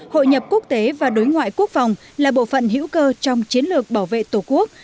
hội nhập quốc tế và đối ngoại quốc phòng là bộ phận hữu cơ trong chiến lược bảo vệ tổ quốc